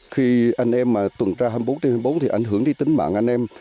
khi anh em mà tuần tra hai mươi bốn trên hai mươi bốn thì ảnh hưởng đến tính mạng anh em